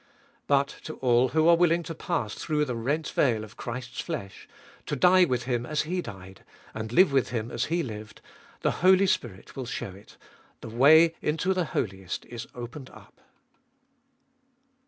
But to all who are willing to pass through the rent veil of Christ's flesh, to die with Him as He died, and live with Him as He lived, the Holy Spirit will show it ; the way into the Holiest is opened up.